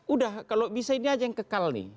udah kalau bisa ini aja yang kekal nih